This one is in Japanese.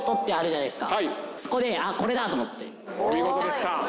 お見事でした。